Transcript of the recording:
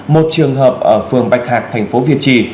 một trường hợp ở phường bạch hạc thành phố việt trì